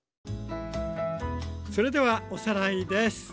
それではおさらいです。